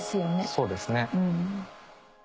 そうですね。